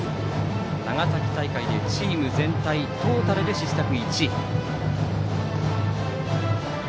長崎大会ではチーム全体、トータルで失策１。